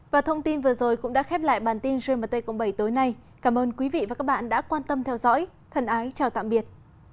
và thông tin vừa rồi cũng đã khép lại bản tin gmt cộng bảy tối nay cảm ơn quý vị và các bạn đã quan tâm theo dõi thân ái chào tạm biệt